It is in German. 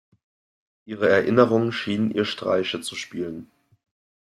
Ihre Erinnerungen schienen ihr Streiche zu spielen.